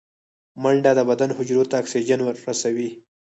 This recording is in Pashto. منډه د بدن حجرو ته اکسیجن رسوي